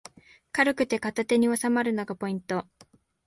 軽くて片手におさまるのがポイント